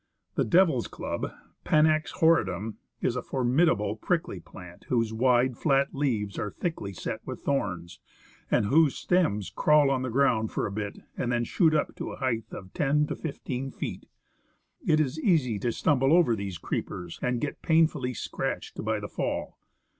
The devil's club [Panax Jiorridiivi) is a formidable, prickly plant, whose wide, flat leaves are thickly set with thorns, and whose stems crawl on the ground for a bit and then shoot up to a height of ten to fifteen feet. It is easy to stumble over these creepers, and get painfully scratched by the fall.